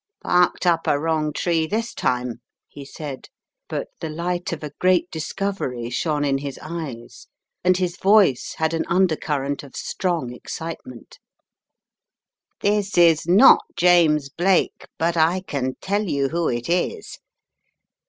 "Barked up a wrong tree this time," he said, but the light of a great discovery shone in his eyes and his voice had an undercurrent of strong excitement. 146 The Riddle of the Purple Emperor "This is not James Blake, but I can tell you who it is.